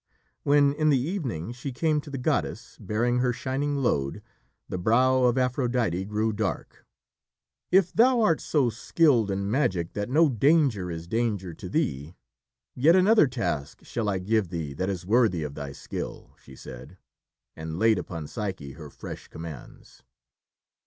When in the evening she came to the goddess, bearing her shining load, the brow of Aphrodite grew dark. "If thou art so skilled in magic that no danger is danger to thee, yet another task shall I give thee that is worthy of thy skill," she said, and laid upon Psyche her fresh commands.